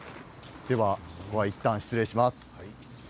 ここはいったん失礼します。